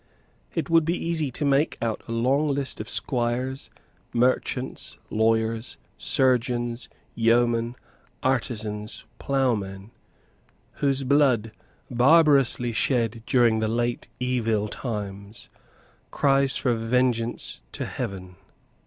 It would be easy to make out a long list of squires, merchants, lawyers, surgeons, yeomen, artisans, ploughmen, whose blood, barbarously shed during the late evil times, cries for vengeance to heaven.